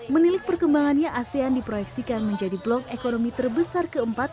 menilik perkembangannya asean diproyeksikan menjadi blok ekonomi terbesar keempat pada dua ribu